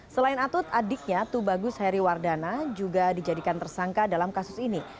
selain atut adiknya tubagus heriwardana juga dijadikan tersangka dalam kasus ini